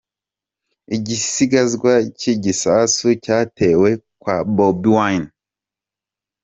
Igisigazwa cy’igisasu cyatewe kwa Bobi Wine